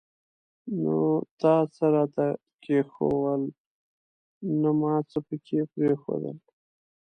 نه تا څه راته کښېښوول ، نه ما څه پکښي پريښودل.